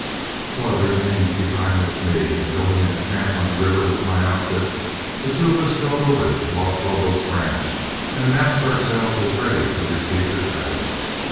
Flood remained behind with me, and going into camp on the river with my outfit, the two of us rode over to Los Lobos Ranch and announced ourselves as ready to receive the cattle.